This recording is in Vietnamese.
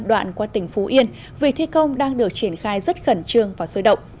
đoạn qua tỉnh phú yên vì thi công đang được triển khai rất khẩn trương và sôi động